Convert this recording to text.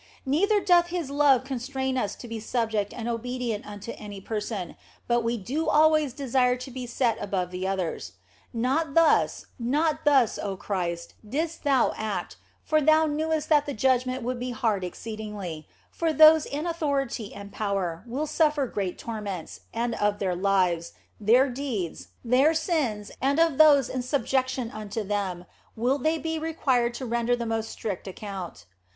Neither doth His love constrain us to be subject and obedient unto any person, but we do always desire to be set above the others. Not thus, not thus, oh Christ, didst Thou act, for Thou knewest that the judgment would be hard exceedingly, for those in authority and power will suffer great tor ments, and of their lives, their deeds, their sins, and of those in subjection unto them will they be required to render the most strict account.